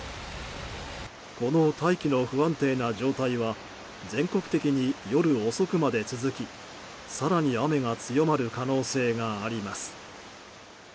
この大気の不安定な状態は全国的に夜遅くまで続き、更に雨が強まる可能性があります。